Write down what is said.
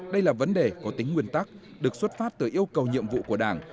đây là vấn đề có tính nguyên tắc được xuất phát từ yêu cầu nhiệm vụ của đảng